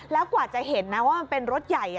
แล้วกว่าจะเห็นนะว่ามันเป็นรถใหญ่